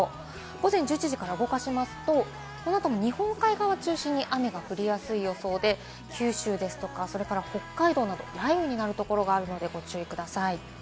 午前１１時から動かしますと、このあとも日本海側を中心に雨が降りやすい予想で九州ですとか、北海道など、雷雨になるところがあるのでご注意ください。